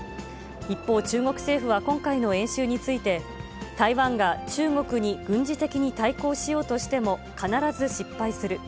一方、中国政府は今回の演習について、台湾が中国に軍事的に対抗しようとしても、必ず失敗する。